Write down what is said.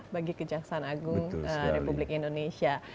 bagi kejaksaan agung republik indonesia